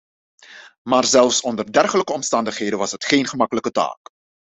Maar zelfs onder dergelijke omstandigheden was het geen gemakkelijke taak.